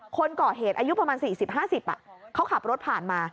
คนก่อเหตุอายุประมาณ๔๐๕๐เขาขับรถผ่านมา